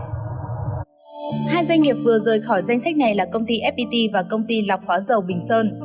hai doanh nghiệp vừa rời khỏi danh sách này là công ty fpt và công ty lọc hóa dầu bình sơn